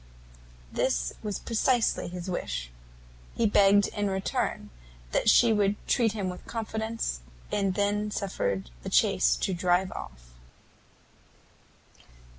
This was precisely his wish. He begged, in return, that she would treat him with confidence, and then suffered the chaise to drive off.